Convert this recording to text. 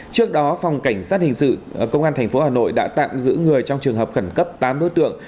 trước đó phòng cảnh sát hình sự công an tp hà nội đã tạm giữ người trong trường hợp khẩn cấp tám đối tượng